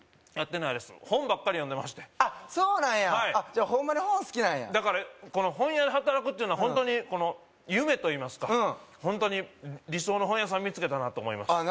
やってないです本ばっかり読んでましてそうなんやじゃホンマに本好きなんやだからこの本屋で働くっていうのはホントに夢といいますかホントに理想の本屋さん見つけたなと思います